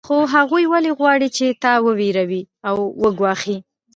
خو هغوی ولې غواړي چې تا وویروي او وګواښي